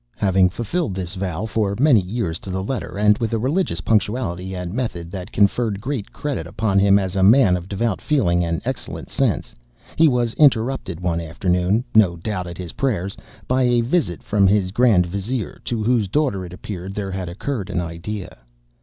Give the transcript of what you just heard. Having fulfilled this vow for many years to the letter, and with a religious punctuality and method that conferred great credit upon him as a man of devout feeling and excellent sense, he was interrupted one afternoon (no doubt at his prayers) by a visit from his grand vizier, to whose daughter, it appears, there had occurred an idea.